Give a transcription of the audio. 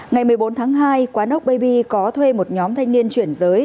ngày một mươi bốn tháng hai quán ok baby có thuê một nhóm thanh niên chuyển giới